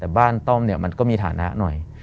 แต่บ้านต้อมเนี่ยมันก็มีฐานะหน่อย